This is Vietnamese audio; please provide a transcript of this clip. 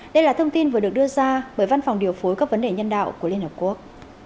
đây là thông tin vừa được đưa ra bởi văn phòng điều phối các vấn đề nhân đạo của liên hợp quốc